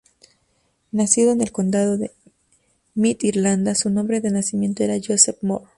Nacido en el Condado de Meath, Irlanda, su nombre de nacimiento era Joseph Moore.